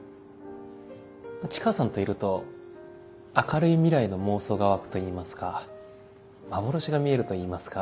チカさんといると明るい未来の妄想が湧くといいますか幻が見えるといいますか。